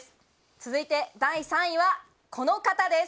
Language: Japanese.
続いて第３位はこの方です。